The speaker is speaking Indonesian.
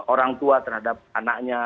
orang tua terhadap anaknya